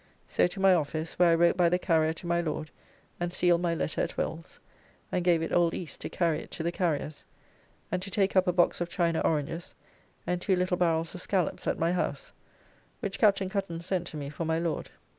So to my office, where I wrote by the carrier to my Lord and sealed my letter at Will's, and gave it old East to carry it to the carrier's, and to take up a box of china oranges and two little barrels of scallops at my house, which Captain Cuttance sent to me for my Lord.